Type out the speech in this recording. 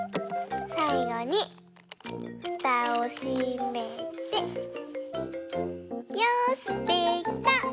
さいごにふたをしめてよしできた！